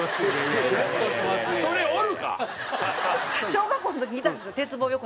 小学校の時にいたんですよ